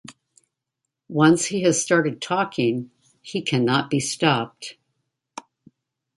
Once he has started talking, he cannot be stopped.